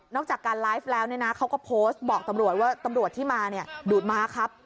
จากการไลฟ์แล้วเนี่ยนะเขาก็โพสต์บอกตำรวจว่าตำรวจที่มาดูดม้าครับ